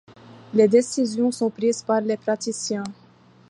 Les décisions sont prises par les praticiens.